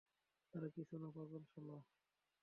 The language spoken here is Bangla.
আরে কিছু না, পাগল শালা।